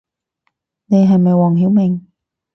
你係咪黃曉明